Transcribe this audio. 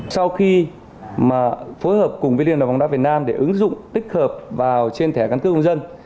sau khi mà phối hợp cùng với liên hợp đồng đạo việt nam để ứng dụng tích hợp vào trên thẻ căn cước công dân